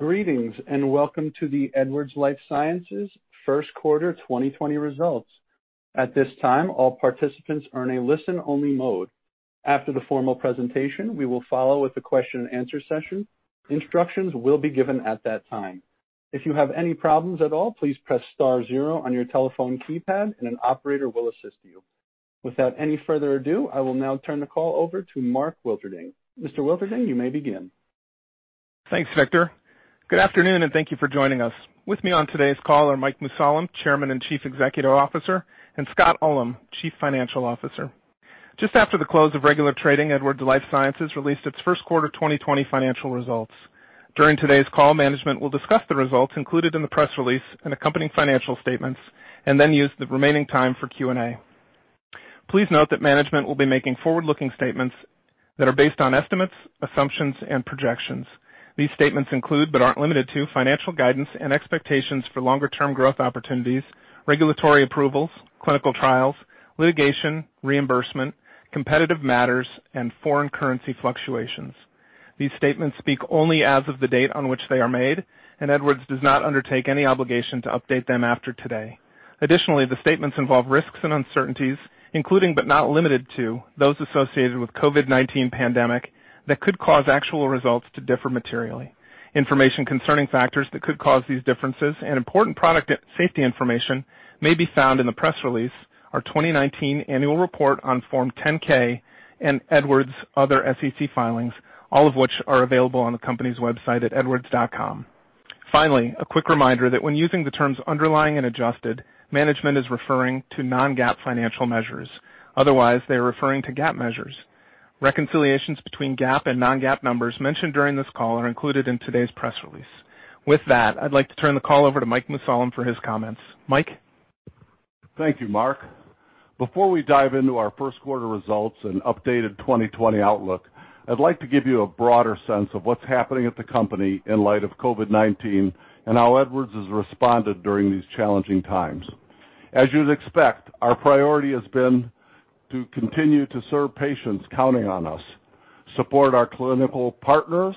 Greetings, and welcome to the Edwards Lifesciences first quarter 2020 results. At this time, all participants are in a listen-only mode. After the formal presentation, we will follow with a question and answer session. Instructions will be given at that time. If you have any problems at all, please press star zero on your telephone keypad and an operator will assist you. Without any further ado, I will now turn the call over to Mark Wilterding. Mr. Wilterding, you may begin. Thanks, Victor. Good afternoon, and thank you for joining us. With me on today's call are Mike Mussallem, Chairman and Chief Executive Officer, and Scott Ullem, Chief Financial Officer. Just after the close of regular trading, Edwards Lifesciences released its first quarter 2020 financial results. During today's call, management will discuss the results included in the press release and accompanying financial statements and then use the remaining time for Q&A. Please note that management will be making forward-looking statements that are based on estimates, assumptions, and projections. These statements include, but aren't limited to, financial guidance and expectations for longer-term growth opportunities, regulatory approvals, clinical trials, litigation, reimbursement, competitive matters, and foreign currency fluctuations. These statements speak only as of the date on which they are made, and Edwards does not undertake any obligation to update them after today. Additionally, the statements involve risks and uncertainties, including but not limited to those associated with COVID-19 pandemic, that could cause actual results to differ materially. Information concerning factors that could cause these differences and important product safety information may be found in the press release, our 2019 annual report on Form 10-K, and Edwards' other SEC filings, all of which are available on the company's website at edwards.com. Finally, a quick reminder that when using the terms underlying and adjusted, management is referring to non-GAAP financial measures. Otherwise, they are referring to GAAP measures. Reconciliations between GAAP and non-GAAP numbers mentioned during this call are included in today's press release. With that, I'd like to turn the call over to Mike Mussallem for his comments. Mike? Thank you, Mark. Before we dive into our first quarter results and updated 2020 outlook, I'd like to give you a broader sense of what's happening at the company in light of COVID-19 and how Edwards has responded during these challenging times. As you'd expect, our priority has been to continue to serve patients counting on us, support our clinical partners,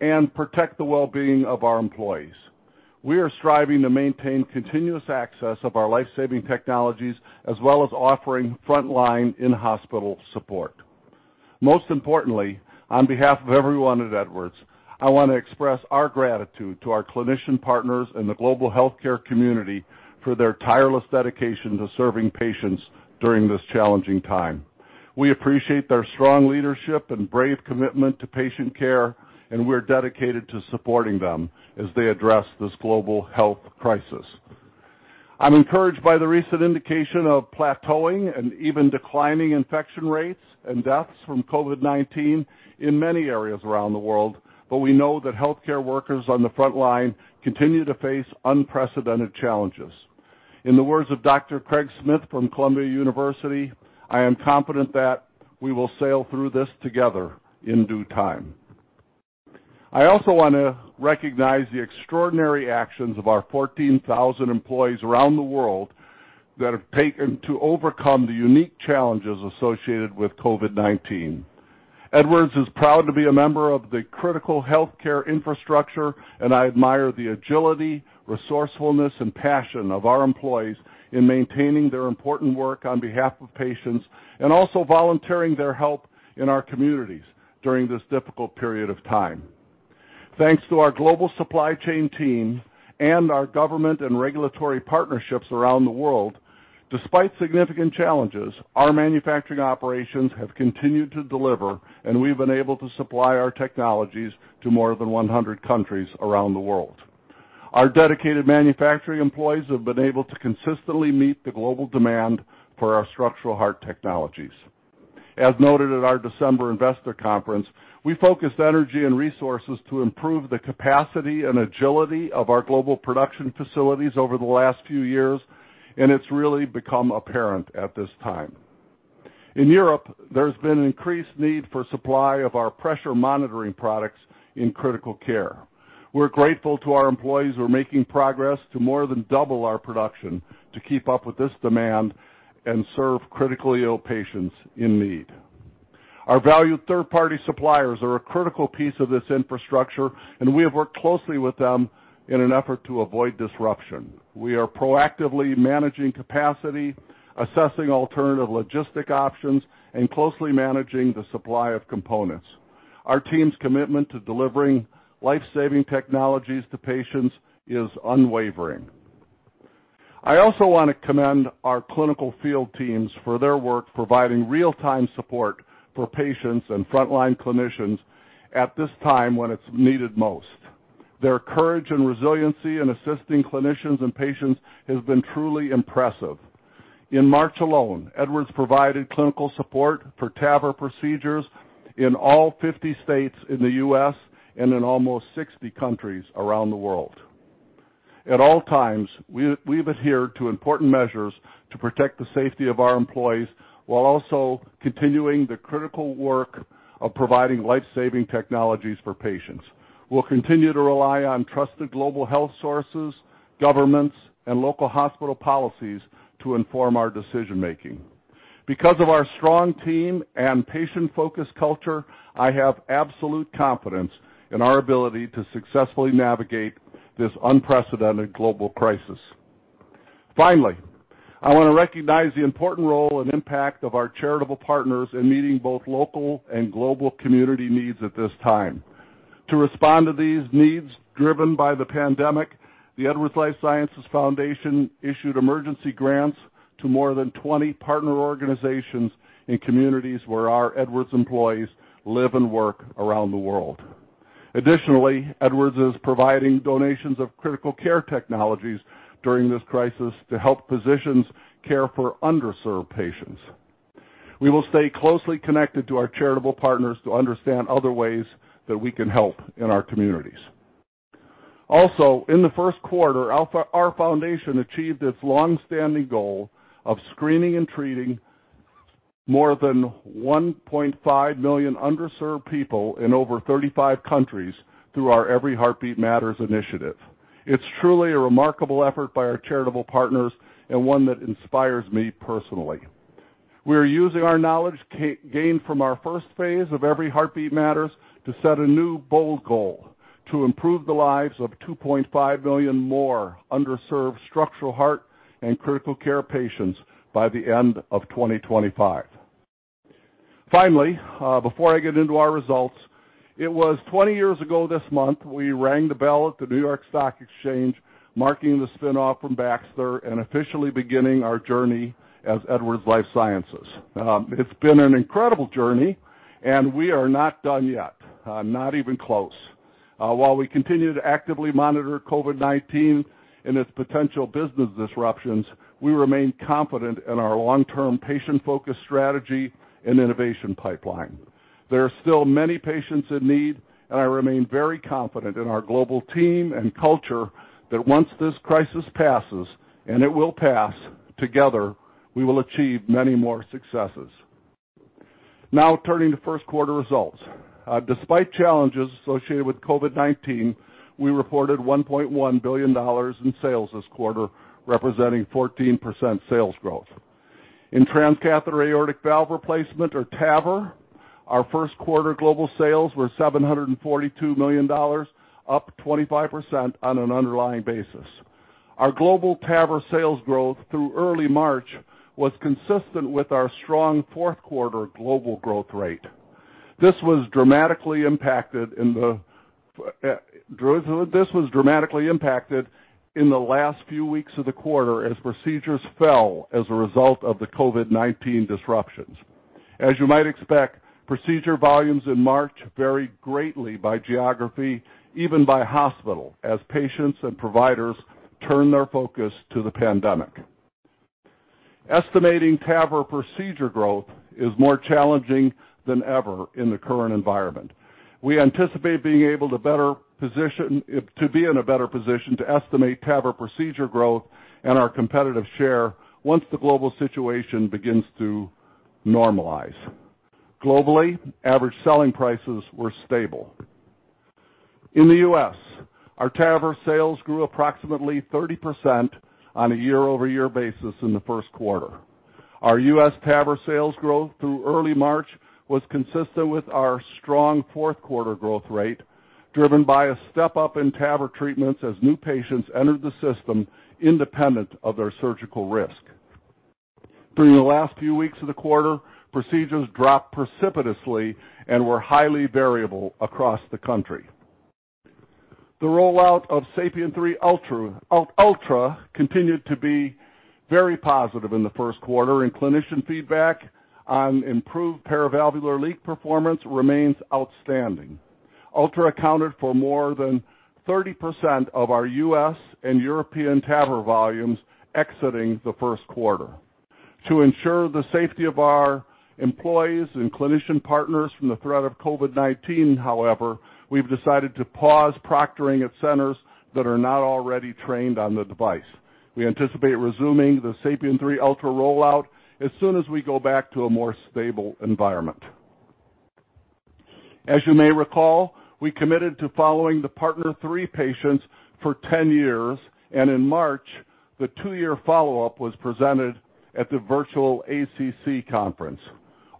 and protect the well-being of our employees. We are striving to maintain continuous access of our life-saving technologies, as well as offering frontline in-hospital support. Most importantly, on behalf of everyone at Edwards, I want to express our gratitude to our clinician partners and the global healthcare community for their tireless dedication to serving patients during this challenging time. We appreciate their strong leadership and brave commitment to patient care, and we're dedicated to supporting them as they address this global health crisis. I'm encouraged by the recent indication of plateauing and even declining infection rates and deaths from COVID-19 in many areas around the world. We know that healthcare workers on the front line continue to face unprecedented challenges. In the words of Dr. Craig Smith from Columbia University, I am confident that we will sail through this together in due time. I also want to recognize the extraordinary actions of our 14,000 employees around the world that have taken to overcome the unique challenges associated with COVID-19. Edwards is proud to be a member of the critical healthcare infrastructure, and I admire the agility, resourcefulness, and passion of our employees in maintaining their important work on behalf of patients and also volunteering their help in our communities during this difficult period of time. Thanks to our global supply chain team and our government and regulatory partnerships around the world, despite significant challenges, our manufacturing operations have continued to deliver, and we've been able to supply our technologies to more than 100 countries around the world. Our dedicated manufacturing employees have been able to consistently meet the global demand for our structural heart technologies. As noted at our December investor conference, we focused energy and resources to improve the capacity and agility of our global production facilities over the last few years, and it's really become apparent at this time. In Europe, there's been an increased need for supply of our pressure monitoring products in critical care. We're grateful to our employees who are making progress to more than double our production to keep up with this demand and serve critically ill patients in need. Our valued third-party suppliers are a critical piece of this infrastructure, and we have worked closely with them in an effort to avoid disruption. We are proactively managing capacity, assessing alternative logistic options, and closely managing the supply of components. Our team's commitment to delivering life-saving technologies to patients is unwavering. I also want to commend our clinical field teams for their work providing real-time support for patients and frontline clinicians at this time when it's needed most. Their courage and resiliency in assisting clinicians and patients has been truly impressive. In March alone, Edwards provided clinical support for TAVR procedures in all 50 states in the U.S. and in almost 60 countries around the world. At all times, we've adhered to important measures to protect the safety of our employees, while also continuing the critical work of providing life-saving technologies for patients. We'll continue to rely on trusted global health sources, governments, and local hospital policies to inform our decision-making. Because of our strong team and patient-focused culture, I have absolute confidence in our ability to successfully navigate this unprecedented global crisis. Finally, I want to recognize the important role and impact of our charitable partners in meeting both local and global community needs at this time. To respond to these needs driven by the pandemic, the Edwards Lifesciences Foundation issued emergency grants to more than 20 partner organizations in communities where our Edwards employees live and work around the world. Additionally, Edwards is providing donations of critical care technologies during this crisis to help physicians care for underserved patients. We will stay closely connected to our charitable partners to understand other ways that we can help in our communities. Also, in the first quarter, our Foundation achieved its longstanding goal of screening and treating more than 1.5 million underserved people in over 35 countries through our Every Heartbeat Matters initiative. It's truly a remarkable effort by our charitable partners and one that inspires me personally. We are using our knowledge gained from our first phase of Every Heartbeat Matters to set a new bold goal: to improve the lives of 2.5 million more underserved structural heart and critical care patients by the end of 2025. Finally, before I get into our results, it was 20 years ago this month, we rang the bell at the New York Stock Exchange, marking the spinoff from Baxter and officially beginning our journey as Edwards Lifesciences. It's been an incredible journey, and we are not done yet. Not even close. While we continue to actively monitor COVID-19 and its potential business disruptions, we remain confident in our long-term, patient-focused strategy and innovation pipeline. There are still many patients in need, and I remain very confident in our global team and culture that once this crisis passes, and it will pass, together, we will achieve many more successes. Turning to first quarter results. Despite challenges associated with COVID-19, we reported $1.1 billion in sales this quarter, representing 14% sales growth. In transcatheter aortic valve replacement, or TAVR, our first quarter global sales were $742 million, up 25% on an underlying basis. Our global TAVR sales growth through early March was consistent with our strong fourth quarter global growth rate. This was dramatically impacted in the last few weeks of the quarter as procedures fell as a result of the COVID-19 disruptions. As you might expect, procedure volumes in March varied greatly by geography, even by hospital, as patients and providers turned their focus to the pandemic. Estimating TAVR procedure growth is more challenging than ever in the current environment. We anticipate to be in a better position to estimate TAVR procedure growth and our competitive share once the global situation begins to normalize. Globally, average selling prices were stable. In the U.S., our TAVR sales grew approximately 30% on a year-over-year basis in the first quarter. Our U.S. TAVR sales growth through early March was consistent with our strong fourth quarter growth rate, driven by a step-up in TAVR treatments as new patients entered the system independent of their surgical risk. During the last few weeks of the quarter, procedures dropped precipitously and were highly variable across the country. The rollout of SAPIEN 3 Ultra continued to be very positive in the first quarter, and clinician feedback on improved paravalvular leak performance remains outstanding. Ultra accounted for more than 30% of our U.S. and European TAVR volumes exiting the first quarter. To ensure the safety of our employees and clinician partners from the threat of COVID-19, however, we've decided to pause proctoring at centers that are not already trained on the device. We anticipate resuming the SAPIEN 3 Ultra rollout as soon as we go back to a more stable environment. As you may recall, we committed to following the PARTNER 3 patients for 10 years, and in March, the two-year follow-up was presented at the virtual ACC conference.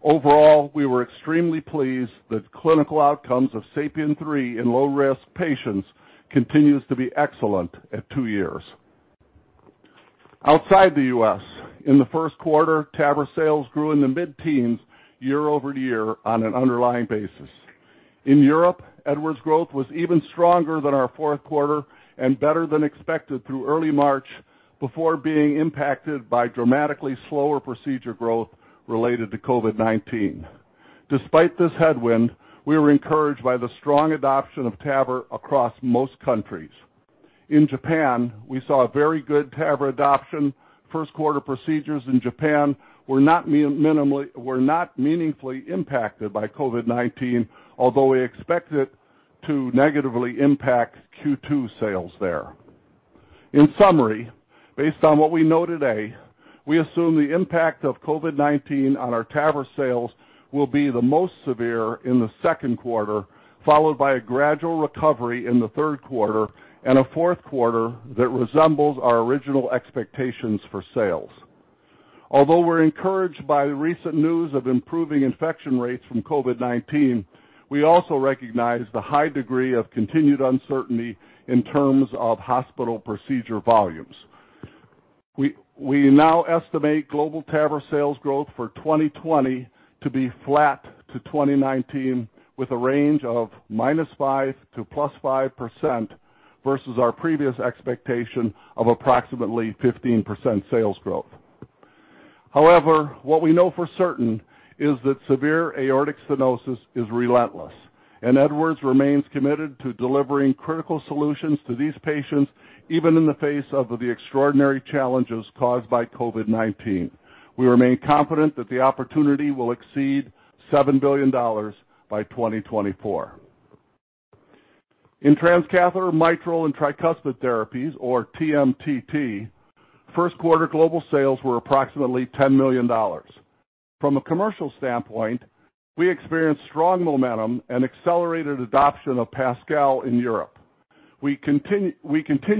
Overall, we were extremely pleased that clinical outcomes of SAPIEN 3 in low-risk patients continues to be excellent at two years. Outside the U.S., in the first quarter, TAVR sales grew in the mid-teens year-over-year on an underlying basis. In Europe, Edwards' growth was even stronger than our fourth quarter and better than expected through early March before being impacted by dramatically slower procedure growth related to COVID-19. Despite this headwind, we were encouraged by the strong adoption of TAVR across most countries. In Japan, we saw very good TAVR adoption. First quarter procedures in Japan were not meaningfully impacted by COVID-19, although we expect it to negatively impact Q2 sales there. In summary, based on what we know today, we assume the impact of COVID-19 on our TAVR sales will be the most severe in the second quarter, followed by a gradual recovery in the third quarter and a fourth quarter that resembles our original expectations for sales. Although we're encouraged by the recent news of improving infection rates from COVID-19, we also recognize the high degree of continued uncertainty in terms of hospital procedure volumes. We now estimate global TAVR sales growth for 2020 to be flat to 2019, with a range of -5%-+5%, versus our previous expectation of approximately 15% sales growth. However, what we know for certain is that severe aortic stenosis is relentless, and Edwards remains committed to delivering critical solutions to these patients, even in the face of the extraordinary challenges caused by COVID-19. We remain confident that the opportunity will exceed $7 billion by 2024. In Transcatheter Mitral and Tricuspid Therapies, or TMTT, first quarter global sales were approximately $10 million. From a commercial standpoint, we experienced strong momentum and accelerated adoption of PASCAL in Europe. We continue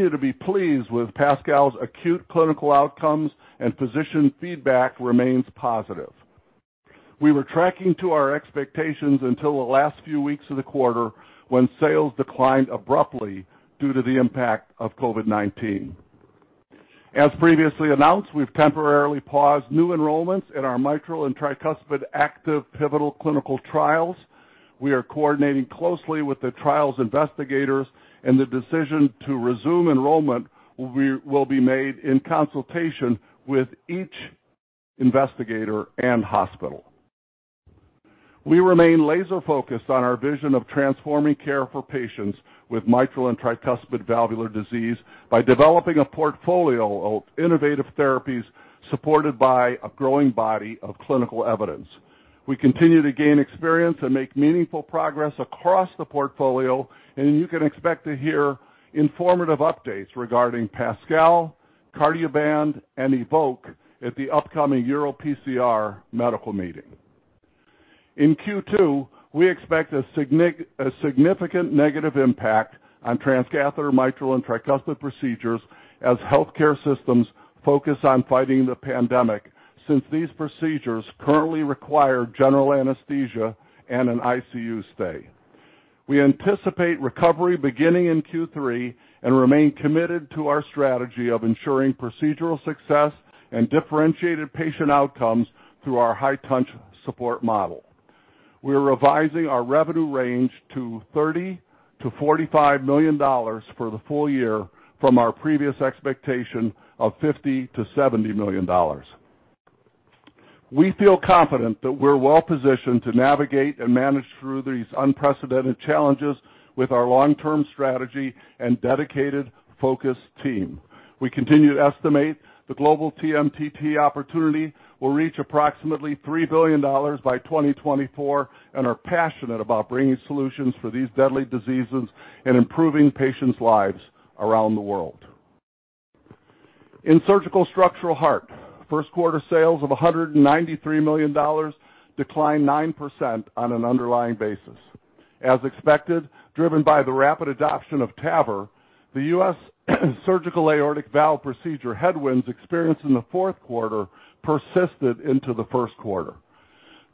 to be pleased with PASCAL's acute clinical outcomes, and physician feedback remains positive. We were tracking to our expectations until the last few weeks of the quarter, when sales declined abruptly due to the impact of COVID-19. As previously announced, we've temporarily paused new enrollments in our mitral and tricuspid active pivotal clinical trials. We are coordinating closely with the trial's investigators, and the decision to resume enrollment will be made in consultation with each investigator and hospital. We remain laser-focused on our vision of transforming care for patients with mitral and tricuspid valvular disease by developing a portfolio of innovative therapies supported by a growing body of clinical evidence. We continue to gain experience and make meaningful progress across the portfolio, and you can expect to hear informative updates regarding PASCAL, Cardioband, and EVOQUE at the upcoming EuroPCR medical meeting. In Q2, we expect a significant negative impact on transcatheter mitral and tricuspid procedures as healthcare systems focus on fighting the pandemic, since these procedures currently require general anesthesia and an ICU stay. We anticipate recovery beginning in Q3 and remain committed to our strategy of ensuring procedural success and differentiated patient outcomes through our high-touch support model. We're revising our revenue range to $30 million-$45 million for the full year from our previous expectation of $50 million-$70 million. We feel confident that we're well-positioned to navigate and manage through these unprecedented challenges with our long-term strategy and dedicated, focused team. We continue to estimate the global TMTT opportunity will reach approximately $3 billion by 2024 and are passionate about bringing solutions for these deadly diseases and improving patients' lives around the world. In surgical structural heart, first quarter sales of $193 million declined 9% on an underlying basis. As expected, driven by the rapid adoption of TAVR, the US surgical aortic valve procedure headwinds experienced in the fourth quarter persisted into the first quarter.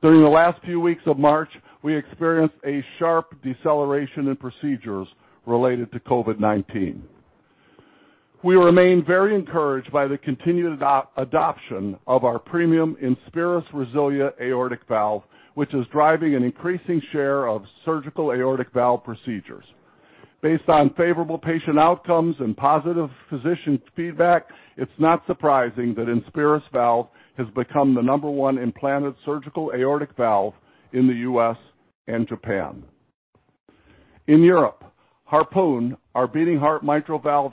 During the last few weeks of March, we experienced a sharp deceleration in procedures related to COVID-19. We remain very encouraged by the continued adoption of our premium INSPIRIS RESILIA aortic valve, which is driving an increasing share of surgical aortic valve procedures. Based on favorable patient outcomes and positive physician feedback, it's not surprising that INSPIRIS valve has become the number one implanted surgical aortic valve in the U.S. and Japan. In Europe, HARPOON, our beating heart mitral valve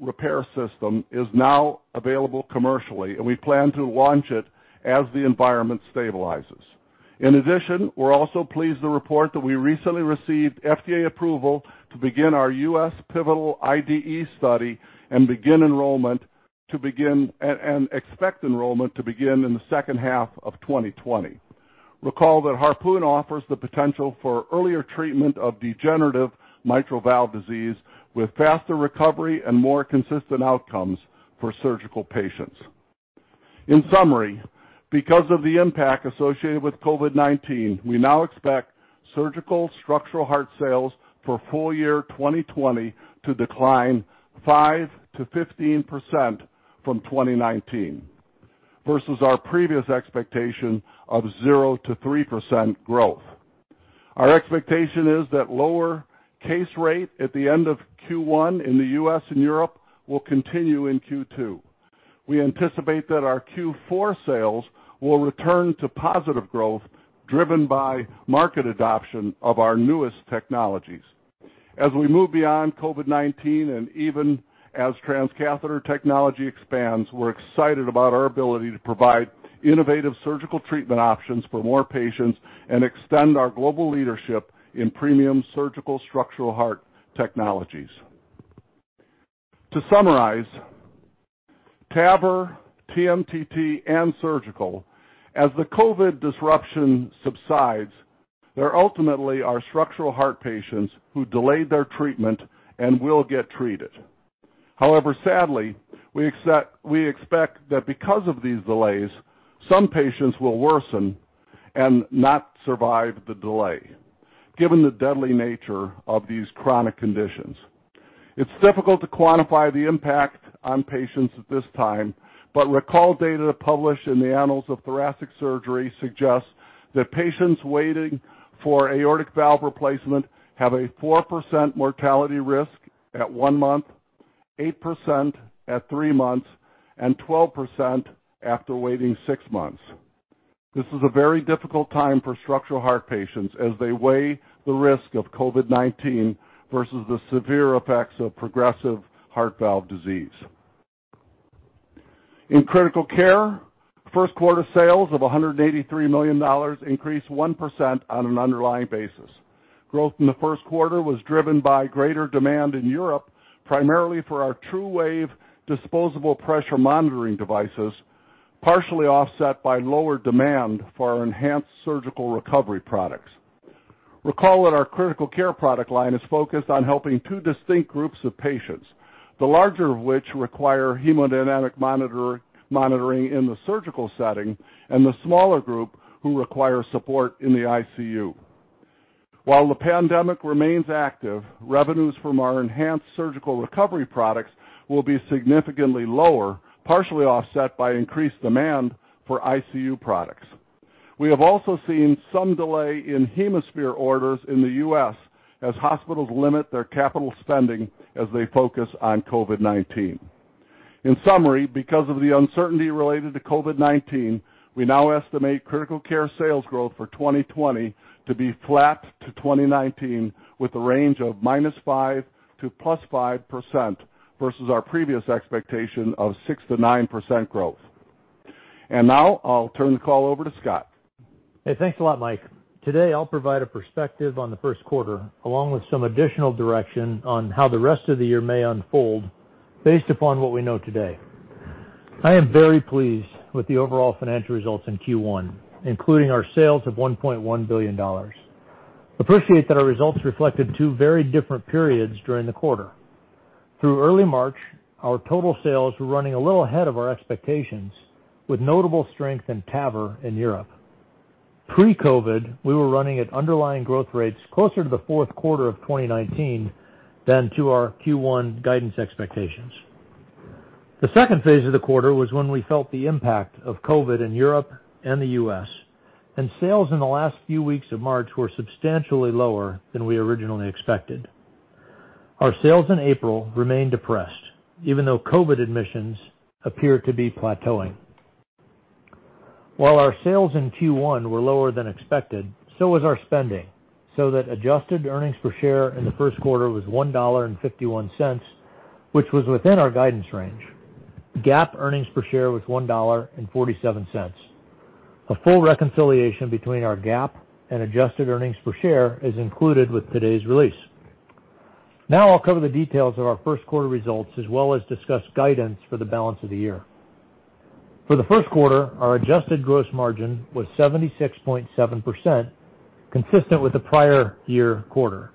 repair system, is now available commercially. We plan to launch it as the environment stabilizes. In addition, we're also pleased to report that we recently received FDA approval to begin our US pivotal IDE study and expect enrollment to begin in the second half of 2020. Recall that HARPOON offers the potential for earlier treatment of degenerative mitral valve disease with faster recovery and more consistent outcomes for surgical patients. In summary, because of the impact associated with COVID-19, we now expect surgical structural heart sales for full year 2020 to decline 5%-15% from 2019, versus our previous expectation of 0%-3% growth. Our expectation is that lower case rate at the end of Q1 in the U.S. and Europe will continue in Q2. We anticipate that our Q4 sales will return to positive growth driven by market adoption of our newest technologies. As we move beyond COVID-19, and even as transcatheter technology expands, we're excited about our ability to provide innovative surgical treatment options for more patients and extend our global leadership in premium surgical structural heart technologies. To summarize, TAVR, TMTT, and surgical, as the COVID-19 disruption subsides. They ultimately are structural heart patients who delayed their treatment and will get treated. Sadly, we expect that because of these delays, some patients will worsen and not survive the delay, given the deadly nature of these chronic conditions. It's difficult to quantify the impact on patients at this time, but recall data published in The Annals of Thoracic Surgery suggests that patients waiting for aortic valve replacement have a 4% mortality risk at one month, 8% at three months, and 12% after waiting six months. This is a very difficult time for structural heart patients as they weigh the risk of COVID-19 versus the severe effects of progressive heart valve disease. In critical care, first quarter sales of $183 million increased 1% on an underlying basis. Growth in the first quarter was driven by greater demand in Europe, primarily for our TruWave disposable pressure monitoring devices, partially offset by lower demand for our enhanced surgical recovery products. Recall that our critical care product line is focused on helping two distinct groups of patients, the larger of which require hemodynamic monitoring in the surgical setting, and the smaller group who require support in the ICU. While the pandemic remains active, revenues from our enhanced surgical recovery products will be significantly lower, partially offset by increased demand for ICU products. We have also seen some delay in HemoSphere orders in the U.S. as hospitals limit their capital spending as they focus on COVID-19. In summary, because of the uncertainty related to COVID-19, we now estimate critical care sales growth for 2020 to be flat to 2019 with a range of -5%-+5%, versus our previous expectation of 6%-9% growth. Now I'll turn the call over to Scott. Hey, thanks a lot, Mike. Today, I'll provide a perspective on the first quarter, along with some additional direction on how the rest of the year may unfold based upon what we know today. I am very pleased with the overall financial results in Q1, including our sales of $1.1 billion. Appreciate that our results reflected two very different periods during the quarter. Through early March, our total sales were running a little ahead of our expectations, with notable strength in TAVR in Europe. Pre-COVID, we were running at underlying growth rates closer to the fourth quarter of 2019 than to our Q1 guidance expectations. The second phase of the quarter was when we felt the impact of COVID in Europe and the US Sales in the last few weeks of March were substantially lower than we originally expected. Our sales in April remained depressed, even though COVID admissions appear to be plateauing. While our sales in Q1 were lower than expected, so was our spending, so that adjusted earnings per share in the first quarter was $1.51, which was within our guidance range. GAAP earnings per share was $1.47. A full reconciliation between our GAAP and adjusted earnings per share is included with today's release. Now I'll cover the details of our first quarter results, as well as discuss guidance for the balance of the year. For the first quarter, our adjusted gross margin was 76.7%, consistent with the prior year quarter.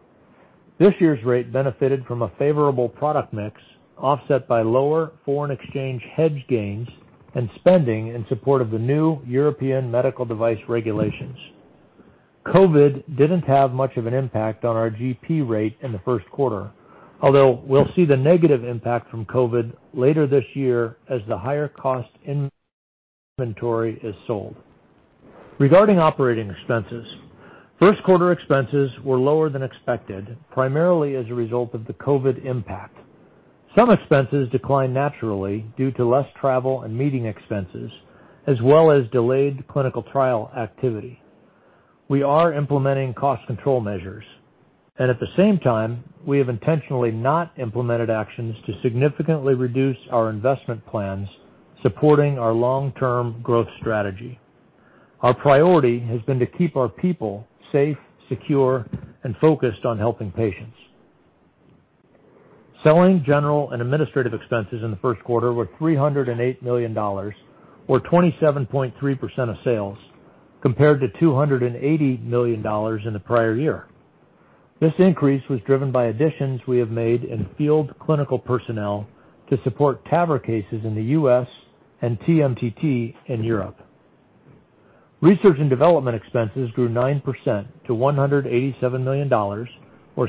This year's rate benefited from a favorable product mix, offset by lower foreign exchange hedge gains and spending in support of the new European medical device regulations. COVID didn't have much of an impact on our GP rate in the first quarter, although we'll see the negative impact from COVID later this year as the higher cost inventory is sold. Regarding operating expenses, first quarter expenses were lower than expected, primarily as a result of the COVID impact. Some expenses declined naturally due to less travel and meeting expenses, as well as delayed clinical trial activity. We are implementing cost control measures. At the same time, we have intentionally not implemented actions to significantly reduce our investment plans, supporting our long-term growth strategy. Our priority has been to keep our people safe, secure, and focused on helping patients. Selling, general, and administrative expenses in the first quarter were $308 million, or 27.3% of sales, compared to $280 million in the prior year. This increase was driven by additions we have made in field clinical personnel to support TAVR cases in the U.S. and TMTT in Europe. Research and development expenses grew 9%-$187 million, or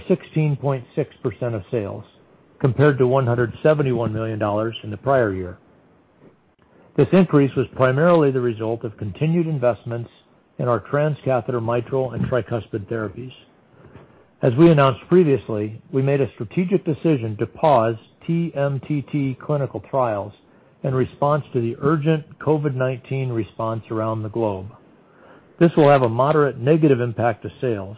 16.6% of sales, compared to $171 million in the prior year. This increase was primarily the result of continued investments in our transcatheter mitral and tricuspid therapies. As we announced previously, we made a strategic decision to pause TMTT clinical trials in response to the urgent COVID-19 response around the globe. This will have a moderate negative impact to sales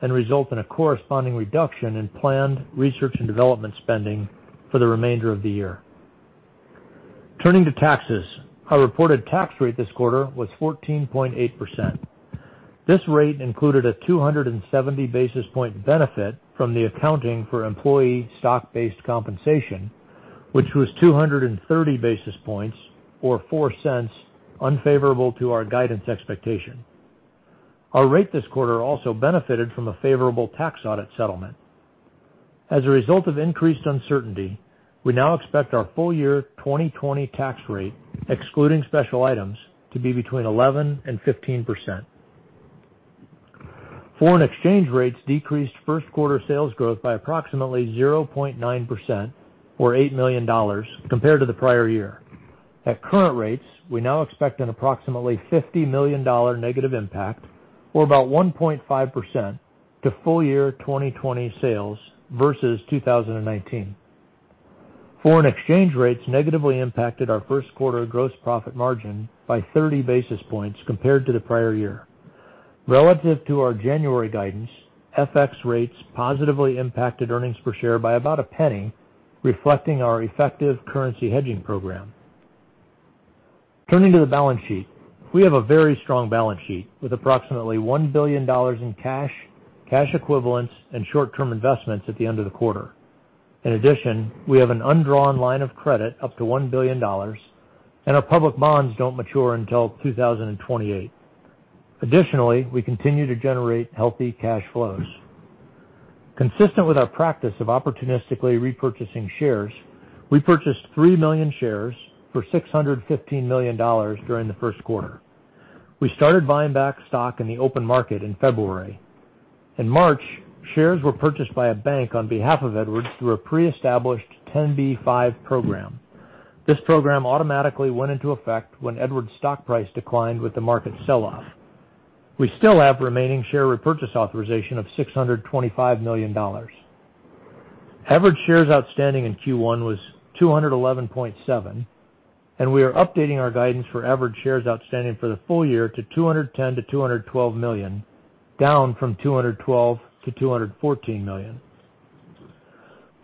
and result in a corresponding reduction in planned research and development spending for the remainder of the year. Turning to taxes, our reported tax rate this quarter was 14.8%. This rate included a 270-basis-point benefit from the accounting for employee stock-based compensation, which was 230 basis points, or $0.04 unfavorable to our guidance expectation. Our rate this quarter also benefited from a favorable tax audit settlement. As a result of increased uncertainty, we now expect our full year 2020 tax rate, excluding special items, to be between 11% and 15%. Foreign exchange rates decreased first quarter sales growth by approximately 0.9%, or $8 million, compared to the prior year. At current rates, we now expect an approximately $50 million negative impact, or about 1.5% to full year 2020 sales versus 2019. Foreign exchange rates negatively impacted our first quarter gross profit margin by 30 basis points compared to the prior year. Relative to our January guidance, FX rates positively impacted earnings per share by about $0.01, reflecting our effective currency hedging program. Turning to the balance sheet. We have a very strong balance sheet with approximately $1 billion in cash equivalents, and short-term investments at the end of the quarter. We have an undrawn line of credit up to $1 billion, and our public bonds don't mature until 2028. We continue to generate healthy cash flows. Consistent with our practice of opportunistically repurchasing shares, we purchased 3 million shares for $615 million during the first quarter. We started buying back stock in the open market in February. In March, shares were purchased by a bank on behalf of Edwards through a pre-established 10b5-1 program. This program automatically went into effect when Edwards' stock price declined with the market sell-off. We still have remaining share repurchase authorization of $625 million. Average shares outstanding in Q1 was 211.7, and we are updating our guidance for average shares outstanding for the full year to 210 million-212 million, down from 212 million-214 million.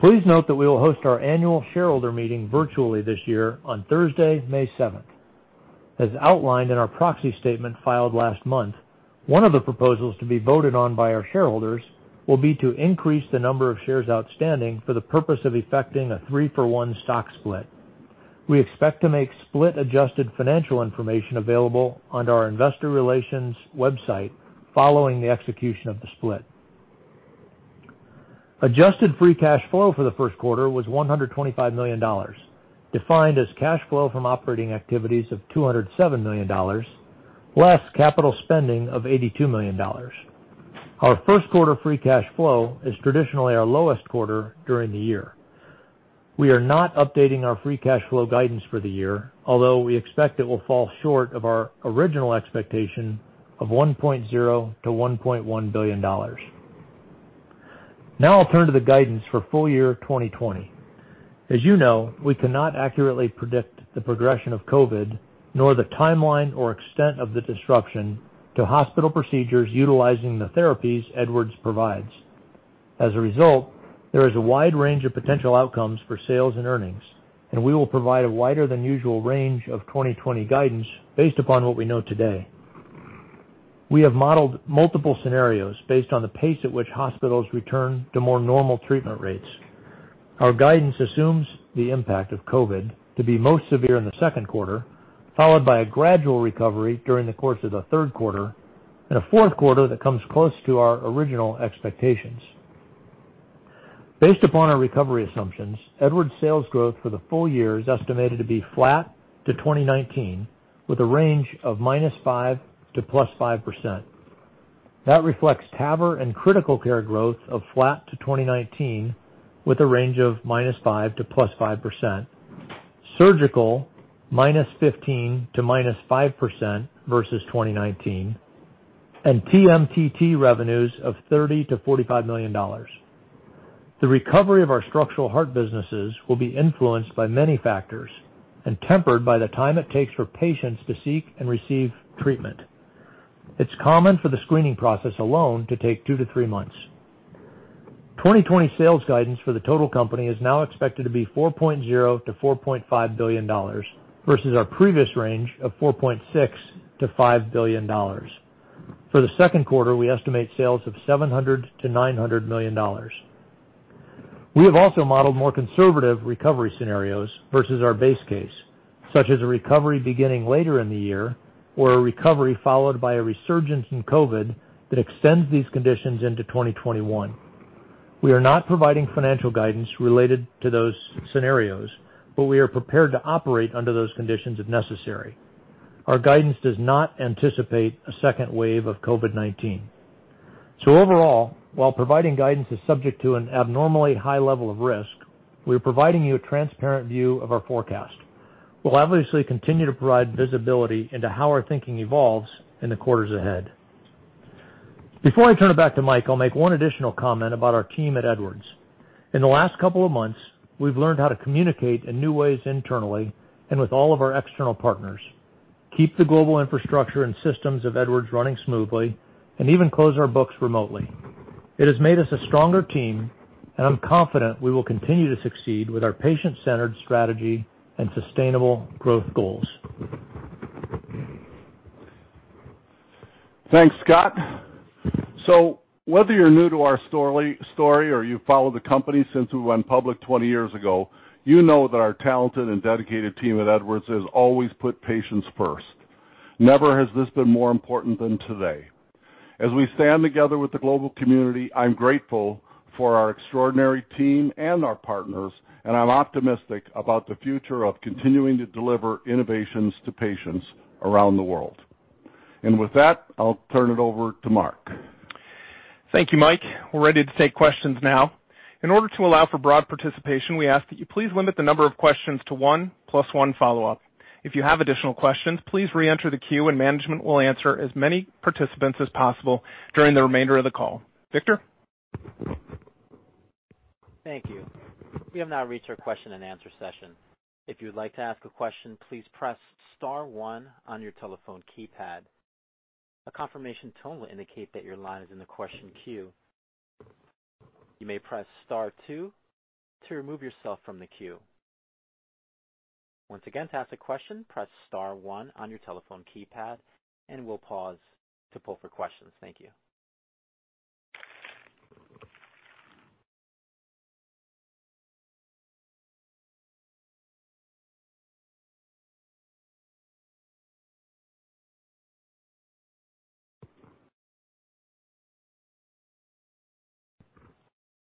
Please note that we will host our annual shareholder meeting virtually this year on Thursday, May 7th. As outlined in our proxy statement filed last month, one of the proposals to be voted on by our shareholders will be to increase the number of shares outstanding for the purpose of effecting a three-for-one stock split. We expect to make split-adjusted financial information available on our investor relations website following the execution of the split. Adjusted free cash flow for the first quarter was $125 million, defined as cash flow from operating activities of $207 million, less capital spending of $82 million. Our first quarter free cash flow is traditionally our lowest quarter during the year. We are not updating our free cash flow guidance for the year, although we expect it will fall short of our original expectation of $1.0 billion-$1.1 billion. Now I'll turn to the guidance for full year 2020. As you know, we cannot accurately predict the progression of COVID, nor the timeline or extent of the disruption to hospital procedures utilizing the therapies Edwards provides. As a result, there is a wide range of potential outcomes for sales and earnings, and we will provide a wider than usual range of 2020 guidance based upon what we know today. We have modeled multiple scenarios based on the pace at which hospitals return to more normal treatment rates. Our guidance assumes the impact of COVID to be most severe in the second quarter, followed by a gradual recovery during the course of the third quarter, and a fourth quarter that comes close to our original expectations. Based upon our recovery assumptions, Edwards' sales growth for the full year is estimated to be flat to 2019, with a range of -5%-+5%. That reflects TAVR and critical care growth of flat to 2019, with a range of -5%-+5%, surgical -15% to -5% versus 2019, and TMTT revenues of $30 million-$45 million. The recovery of our structural heart businesses will be influenced by many factors and tempered by the time it takes for patients to seek and receive treatment. It's common for the screening process alone to take two to three months. 2020 sales guidance for the total company is now expected to be $4.0 billion-$4.5 billion, versus our previous range of $4.6 billion-$5 billion. For the second quarter, we estimate sales of $700 million-$900 million. We have also modeled more conservative recovery scenarios versus our base case, such as a recovery beginning later in the year, or a recovery followed by a resurgence in COVID that extends these conditions into 2021. We are not providing financial guidance related to those scenarios, but we are prepared to operate under those conditions if necessary. Our guidance does not anticipate a second wave of COVID-19. Overall, while providing guidance is subject to an abnormally high level of risk, we are providing you a transparent view of our forecast. We'll obviously continue to provide visibility into how our thinking evolves in the quarters ahead. Before I turn it back to Mike, I'll make one additional comment about our team at Edwards. In the last couple of months, we've learned how to communicate in new ways internally and with all of our external partners, keep the global infrastructure and systems of Edwards running smoothly, and even close our books remotely. It has made us a stronger team, and I'm confident we will continue to succeed with our patient-centered strategy and sustainable growth goals. Thanks, Scott. Whether you're new to our story or you've followed the company since we went public 20 years ago, you know that our talented and dedicated team at Edwards has always put patients first. Never has this been more important than today. As we stand together with the global community, I'm grateful for our extraordinary team and our partners, and I'm optimistic about the future of continuing to deliver innovations to patients around the world. With that, I'll turn it over to Mark. Thank you, Mike. We're ready to take questions now. In order to allow for broad participation, we ask that you please limit the number of questions to one, plus one follow-up. If you have additional questions, please re-enter the queue and management will answer as many participants as possible during the remainder of the call. Victor? Thank you. We have now reached our question-and-answer session. If you would like to ask a question, please press star one on your telephone keypad. A confirmation tone will indicate that your line is in the question queue. You may press star two to remove yourself from the queue. Once again, to ask a question, press star one on your telephone keypad, and we'll pause to pull for questions. Thank you.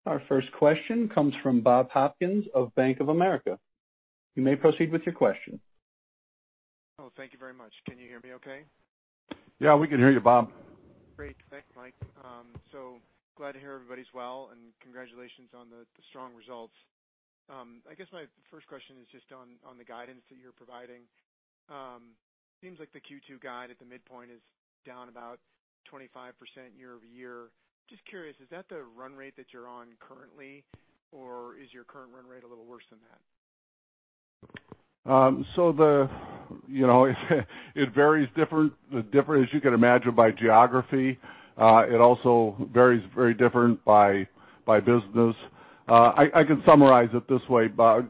Our first question comes from Bob Hopkins of Bank of America. You may proceed with your question. Oh, thank you very much. Can you hear me okay? Yeah, we can hear you, Bob. Great. Thanks, Mike. Glad to hear everybody's well, and congratulations on the strong results. I guess my first question is just on the guidance that you're providing. Seems like the Q2 guide at the midpoint is down about 25% year-over-year. Just curious, is that the run rate that you're on currently, or is your current run rate a little worse than that? It varies different, as you can imagine, by geography. It also varies very different by business. I can summarize it this way, Bob.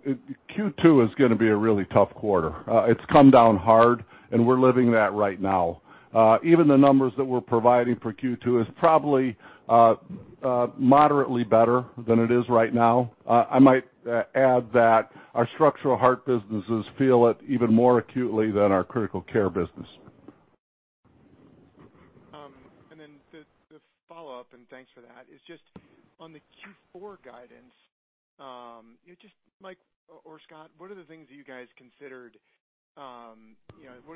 Q2 is going to be a really tough quarter. It's come down hard, and we're living that right now. Even the numbers that we're providing for Q2 is probably moderately better than it is right now. I might add that our structural heart businesses feel it even more acutely than our critical care business. The follow-up, and thanks for that, is just on the Q4 guidance. Mike or Scott, what are the things that you guys considered? What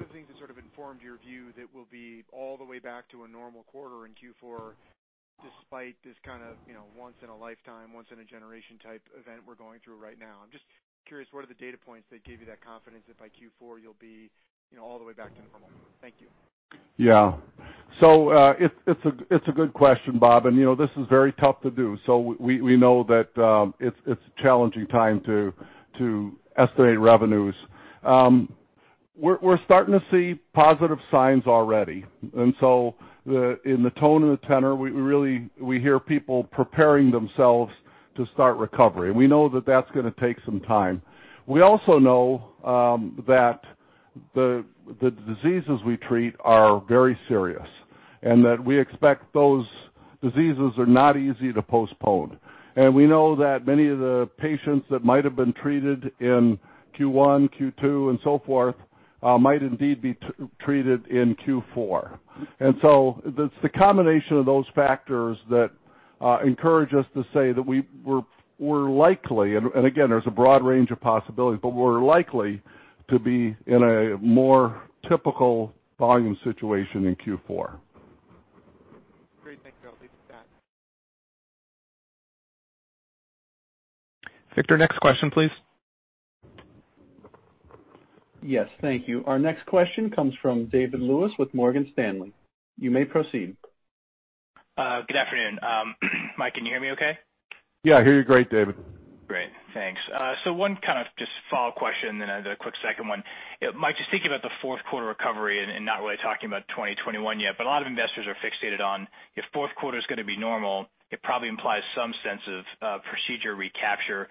are the things that sort of informed your view that we'll be all the way back to a normal quarter in Q4 despite this kind of once-in-a-lifetime, once-in-a-generation type event we're going through right now? I'm just curious, what are the data points that give you that confidence that by Q4 you'll be all the way back to normal? Thank you. Yeah. It's a good question, Bob, and this is very tough to do. We know that it's a challenging time to estimate revenues. We're starting to see positive signs already, in the tone and the tenor, we hear people preparing themselves to start recovery, we know that that's going to take some time. We also know that the diseases we treat are very serious, we expect those diseases are not easy to postpone. We know that many of the patients that might have been treated in Q1, Q2, and so forth, might indeed be treated in Q4. It's the combination of those factors that encourage us to say that we're likely, and again, there's a broad range of possibilities, we're likely to be in a more typical volume situation in Q4. Great. Thanks. I'll leave it at that. Victor, next question, please. Yes. Thank you. Our next question comes from David Lewis with Morgan Stanley. You may proceed. Good afternoon. Mike, can you hear me okay? Yeah, I hear you great, David. Great. Thanks. One kind of just follow-up question, then a quick second one. Mike, just thinking about the fourth quarter recovery and not really talking about 2021 yet, but a lot of investors are fixated on if fourth quarter's going to be normal, it probably implies some sense of procedure recapture.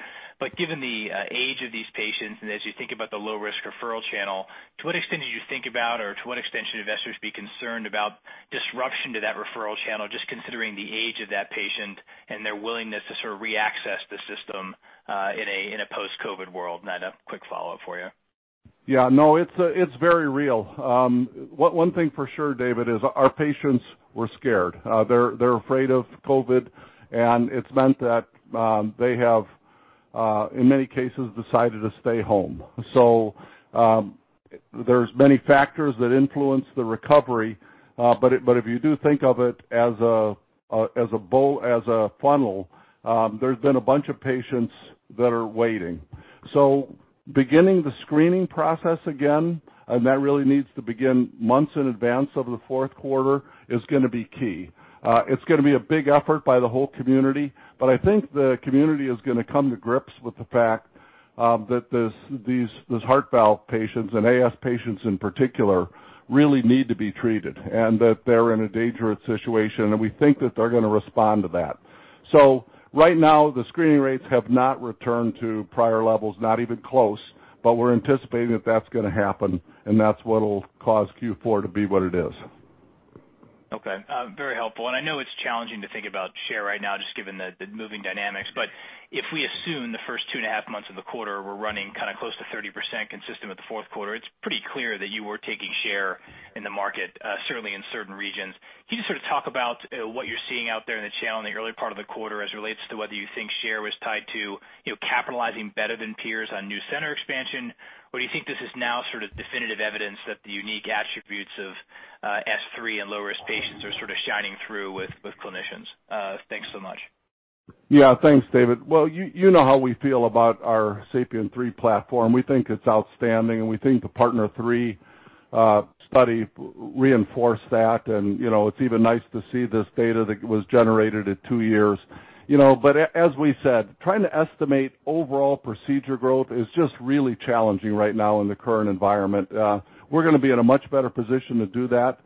Given the age of these patients and as you think about the low-risk referral channel, to what extent do you think about or to what extent should investors be concerned about disruption to that referral channel, just considering the age of that patient and their willingness to sort of reaccess the system in a post-COVID world? I had a quick follow-up for you. Yeah, no, it's very real. One thing for sure, David, is our patients were scared. They're afraid of COVID. It's meant that they have, in many cases, decided to stay home. There's many factors that influence the recovery. If you do think of it as a funnel, there's been a bunch of patients that are waiting. Beginning the screening process again, and that really needs to begin months in advance of the fourth quarter, is going to be key. It's going to be a big effort by the whole community. I think the community is going to come to grips with the fact that these heart valve patients, and AS patients in particular, really need to be treated, and that they're in a dangerous situation, and we think that they're going to respond to that. Right now, the screening rates have not returned to prior levels, not even close. We're anticipating that's going to happen, and that's what will cause Q4 to be what it is. Okay. Very helpful. I know it's challenging to think about share right now, just given the moving dynamics. If we assume the first 2.5 months of the quarter were running close to 30% consistent with the fourth quarter, it's pretty clear that you were taking share in the market, certainly in certain regions. Can you just sort of talk about what you're seeing out there in the channel in the early part of the quarter as relates to whether you think share was tied to capitalizing better than peers on new center expansion? Or do you think this is now sort of definitive evidence that the unique attributes of S3 and low-risk patients are sort of shining through with clinicians? Thanks so much. Yeah. Thanks, David. Well, you know how we feel about our SAPIEN 3 platform. We think it's outstanding, and we think the PARTNER 3 study reinforced that. It's even nice to see this data that was generated at two years. As we said, trying to estimate overall procedure growth is just really challenging right now in the current environment. We're going to be in a much better position to do that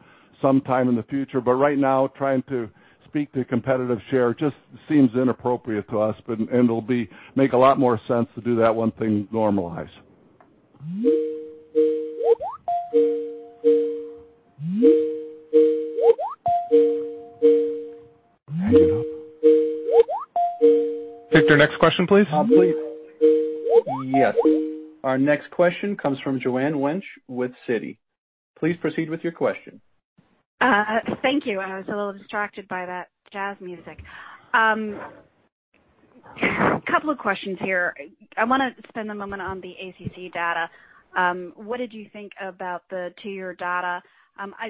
sometime in the future. Right now, trying to speak to competitive share just seems inappropriate to us, and it'll make a lot more sense to do that once things normalize. Victor, next question, please. Yes. Our next question comes from Joanne Wuensch with Citi. Please proceed with your question. Thank you. I was a little distracted by that jazz music. Couple of questions here. I want to spend a moment on the ACC data. What did you think about the two-year data?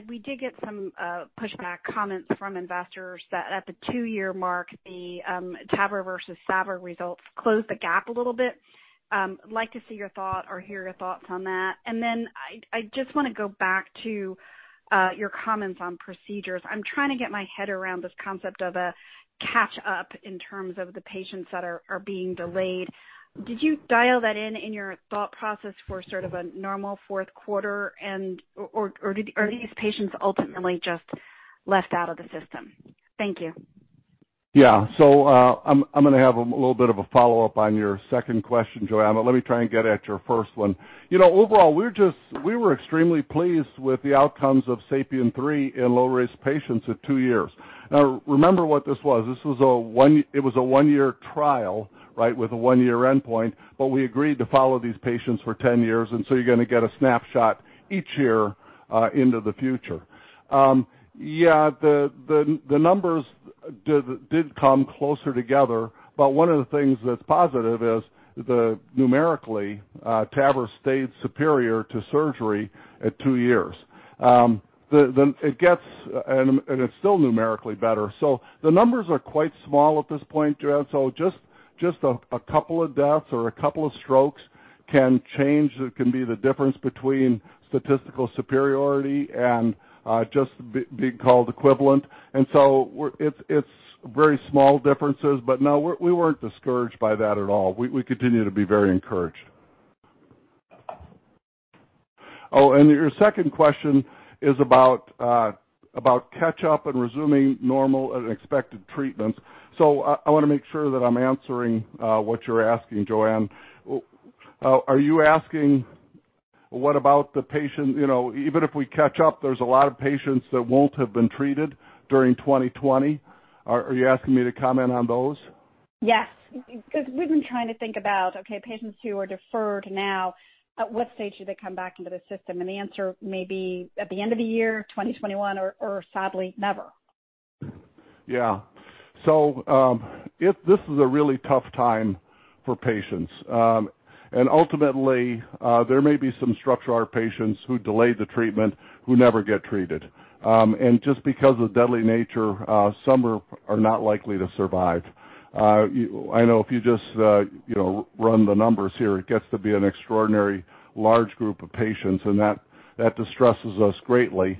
We did get some pushback comments from investors that at the two-year mark, the TAVR versus SAVR results closed the gap a little bit. Like to see your thought or hear your thoughts on that. I just want to go back to your comments on procedures. I'm trying to get my head around this concept of a catch-up in terms of the patients that are being delayed. Did you dial that in in your thought process for sort of a normal fourth quarter? Or are these patients ultimately just left out of the system? Thank you. Yeah. I'm going to have a little bit of a follow-up on your second question, Joanne, but let me try and get at your first one. Overall, we were extremely pleased with the outcomes of SAPIEN 3 in low-risk patients at two years. Remember what this was. It was a one-year trial with a one-year endpoint, but we agreed to follow these patients for 10 years. You're going to get a snapshot each year into the future. Yeah, the numbers did come closer together. One of the things that's positive is numerically, TAVR stayed superior to surgery at two years. It's still numerically better. The numbers are quite small at this point, Joanne, just a couple of deaths or a couple of strokes can be the difference between statistical superiority and just being called equivalent. It's very small differences. No, we weren't discouraged by that at all. We continue to be very encouraged. Your second question is about catch-up and resuming normal and expected treatments. I want to make sure that I'm answering what you're asking, Joanne. Are you asking, what about the patient even if we catch up, there's a lot of patients that won't have been treated during 2020? Are you asking me to comment on those? Yes, because we've been trying to think about, okay, patients who are deferred now, at what stage do they come back into the system? The answer may be at the end of the year 2021 or sadly, never. Yeah. This is a really tough time for patients. Ultimately, there may be some structural patients who delayed the treatment who never get treated. Just because of the deadly nature, some are not likely to survive. I know if you just run the numbers here, it gets to be an extraordinarily large group of patients, and that distresses us greatly.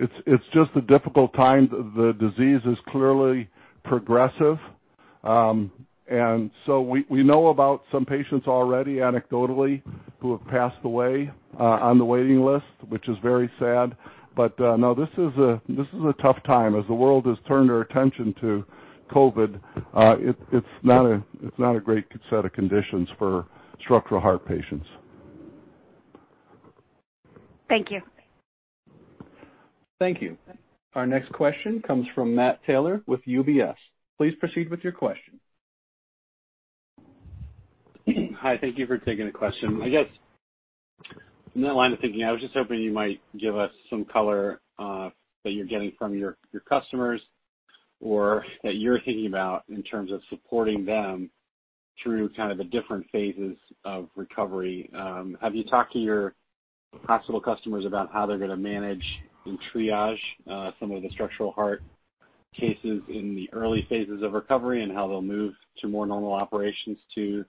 It's just a difficult time. The disease is clearly progressive. We know about some patients already anecdotally who have passed away on the waiting list, which is very sad. No, this is a tough time. As the world has turned our attention to COVID, it's not a great set of conditions for structural heart patients. Thank you. Thank you. Our next question comes from Matt Taylor with UBS. Please proceed with your question. Hi. Thank you for taking the question. I guess in that line of thinking, I was just hoping you might give us some color that you're getting from your customers or that you're thinking about in terms of supporting them through kind of the different phases of recovery. Have you talked to your hospital customers about how they're going to manage and triage some of the structural heart cases in the early phases of recovery, and how they'll move to more normal operations to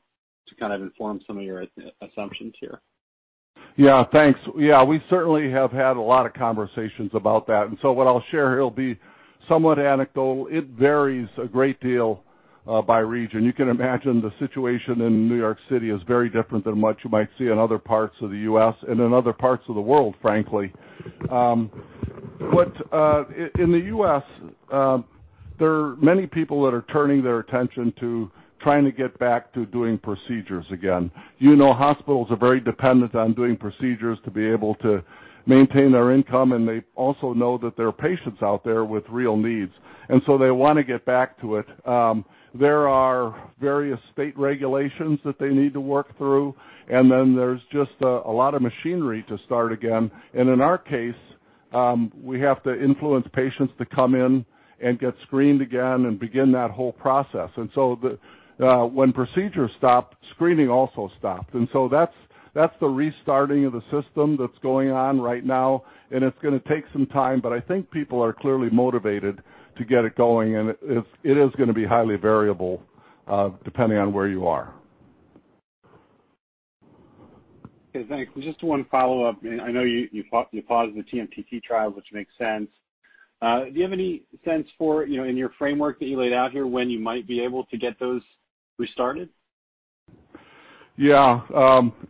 kind of inform some of your assumptions here? Yeah. Thanks. Yeah, we certainly have had a lot of conversations about that, what I'll share here will be somewhat anecdotal. It varies a great deal by region. You can imagine the situation in New York City is very different than what you might see in other parts of the U.S. and in other parts of the world, frankly. In the U.S., there are many people that are turning their attention to trying to get back to doing procedures again. Hospitals are very dependent on doing procedures to be able to maintain their income, and they also know that there are patients out there with real needs. They want to get back to it. There are various state regulations that they need to work through, and then there's just a lot of machinery to start again. In our case, we have to influence patients to come in and get screened again and begin that whole process. When procedures stopped, screening also stopped. That's the restarting of the system that's going on right now, and it's going to take some time, but I think people are clearly motivated to get it going. It is going to be highly variable depending on where you are. Okay, thanks. Just one follow-up. I know you paused the TMTT trial, which makes sense. Do you have any sense for, in your framework that you laid out here, when you might be able to get those restarted? Yeah.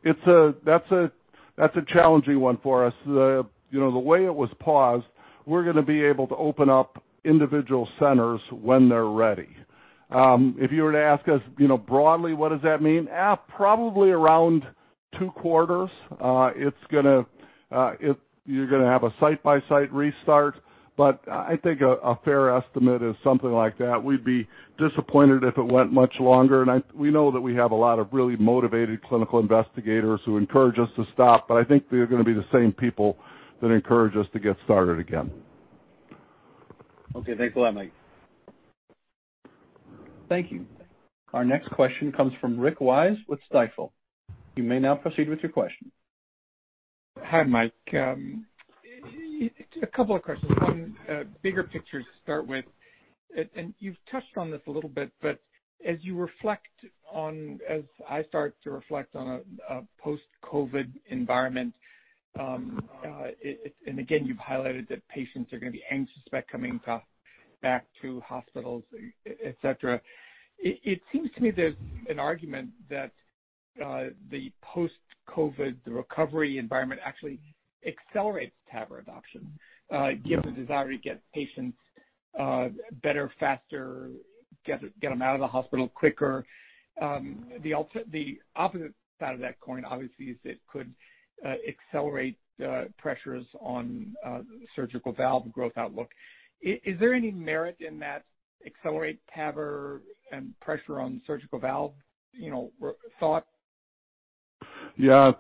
That's a challenging one for us. The way it was paused, we're going to be able to open up individual centers when they're ready. If you were to ask us, broadly, what does that mean? Probably around two quarters. You're going to have a site-by-site restart. I think a fair estimate is something like that. We'd be disappointed if it went much longer. We know that we have a lot of really motivated clinical investigators who encouraged us to stop, but I think they're going to be the same people that encourage us to get started again. Okay. Thanks a lot, Mike. Thank you. Our next question comes from Rick Wise with Stifel. You may now proceed with your question. Hi, Mike. A couple of questions. One, bigger picture to start with, and you've touched on this a little bit, but as I start to reflect on a post-COVID environment, and again, you've highlighted that patients are going to be anxious about coming back to hospitals, et cetera. It seems to me there's an argument that the post-COVID recovery environment actually accelerates TAVR adoption, given the desire to get patients better, faster, get them out of the hospital quicker. The opposite side of that coin, obviously, is it could accelerate pressures on surgical valve growth outlook. Is there any merit in that accelerate TAVR and pressure on surgical valve thought? Yeah.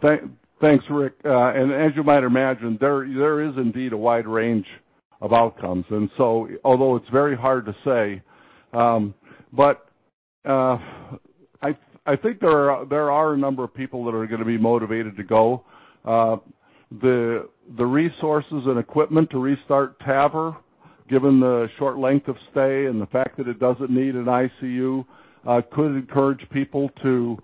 Thanks, Rick. As you might imagine, there is indeed a wide range of outcomes. Although it's very hard to say, but I think there are a number of people that are going to be motivated to go. The resources and equipment to restart TAVR, given the short length of stay and the fact that it doesn't need an ICU, could encourage people to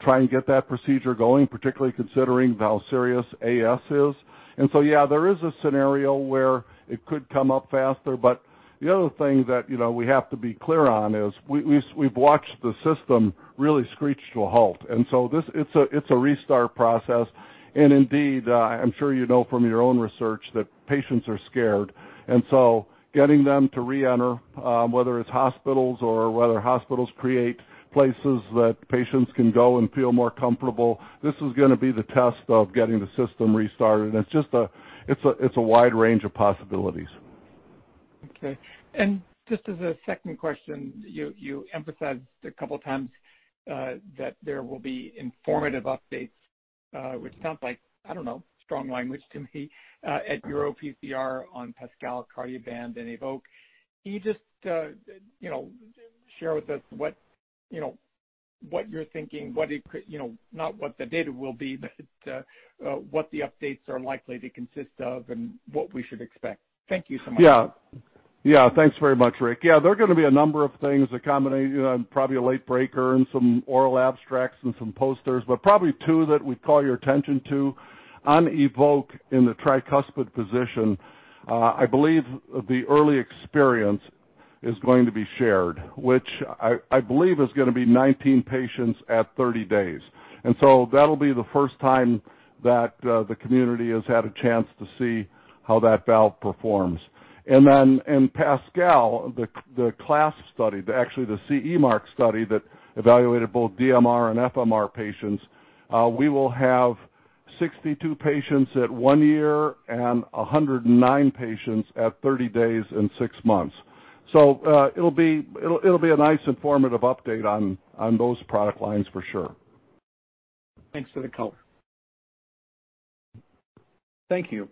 try and get that procedure going, particularly considering how serious AS is. Yeah, there is a scenario where it could come up faster. The other thing that we have to be clear on is we've watched the system really screech to a halt, and so it's a restart process. Indeed, I'm sure you know from your own research that patients are scared. Getting them to reenter, whether it's hospitals or whether hospitals create places that patients can go and feel more comfortable, this is going to be the test of getting the system restarted. It's a wide range of possibilities. Okay. Just as a second question, you emphasized a couple times that there will be informative updates, which sounds like, I don't know, strong language to me, at EuroPCR on PASCAL, Cardioband, and EVOQUE. Can you just share with us what you're thinking? Not what the data will be, but what the updates are likely to consist of and what we should expect. Thank you so much. Yeah. Thanks very much, Rick. Yeah, there are going to be a number of things, a combination, probably a late breaker and some oral abstracts and some posters. Probably two that we'd call your attention to. On EVOQUE in the tricuspid position, I believe the early experience is going to be shared, which I believe is going to be 19 patients at 30 days. That'll be the first time that the community has had a chance to see how that valve performs. In PASCAL, the class study, actually the CE Mark study that evaluated both DMR and FMR patients, we will have 62 patients at one year and 109 patients at 30 days and six months. It'll be a nice informative update on those product lines for sure. Thanks for the color. Thank you.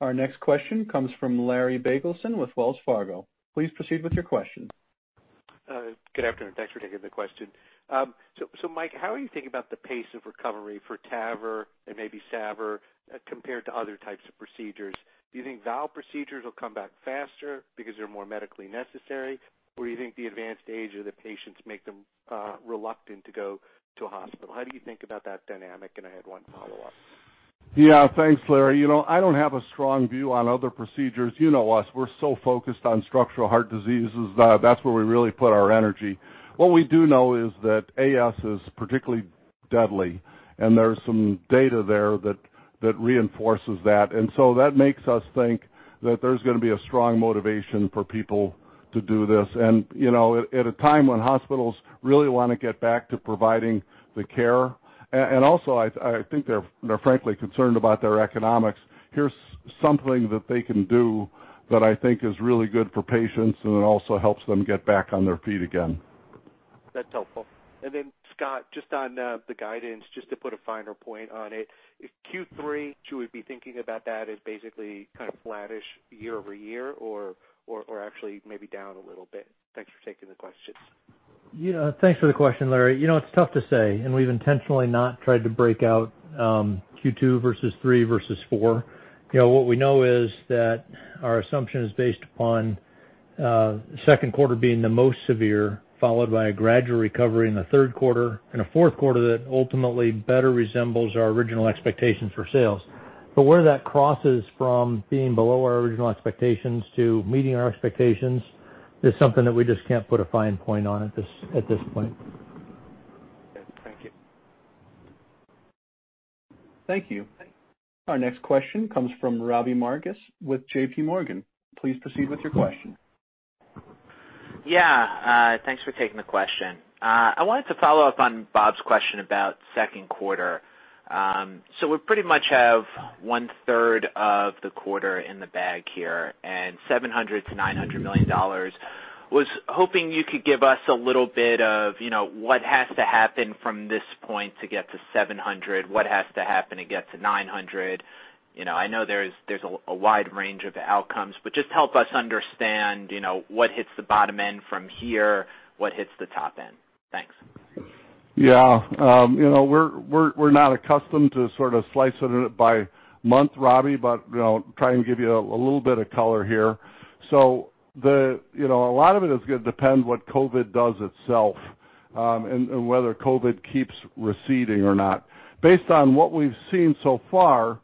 Our next question comes from Larry Biegelsen with Wells Fargo. Please proceed with your question. Good afternoon. Thanks for taking the question. Mike, how are you thinking about the pace of recovery for TAVR and maybe SAVR compared to other types of procedures? Do you think valve procedures will come back faster because they're more medically necessary, or do you think the advanced age of the patients make them reluctant to go to a hospital? How do you think about that dynamic? I had one follow-up. Yeah. Thanks, Larry. I don't have a strong view on other procedures. You know us, we're so focused on structural heart diseases that that's where we really put our energy. What we do know is that AS is particularly deadly, and there's some data there that reinforces that. That makes us think that there's going to be a strong motivation for people to do this. At a time when hospitals really want to get back to providing the care, and also I think they're frankly concerned about their economics. Here's something that they can do that I think is really good for patients and it also helps them get back on their feet again. That's helpful. Scott, just on the guidance, just to put a finer point on it. In Q3, should we be thinking about that as basically kind of flattish year-over-year or actually maybe down a little bit? Thanks for taking the questions. Thanks for the question, Larry. It's tough to say. We've intentionally not tried to break out Q2 versus three versus four. What we know is that our assumption is based upon second quarter being the most severe, followed by a gradual recovery in the third quarter and a fourth quarter that ultimately better resembles our original expectations for sales. Where that crosses from being below our original expectations to meeting our expectations is something that we just can't put a fine point on at this point. Okay. Thank you. Thank you. Our next question comes from Robbie Marcus with JPMorgan. Please proceed with your question. Yeah. Thanks for taking the question. I wanted to follow up on Bob's question about second quarter. We pretty much have one-third of the quarter in the bag here and $700 million-$900 million. I was hoping you could give us a little bit of what has to happen from this point to get to $700 million, what has to happen to get to $900 million. I know there's a wide range of outcomes, just help us understand what hits the bottom end from here, what hits the top end. Thanks. Yeah. We're not accustomed to sort of slicing it by month, Robbie, but I'll try and give you a little bit of color here. A lot of it is going to depend what COVID does itself, and whether COVID keeps receding or not. Based on what we've seen so far,